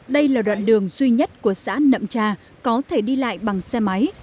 đây là đoạn đường duy nhất của xã nậm tra có thể đi lại bằng xe máy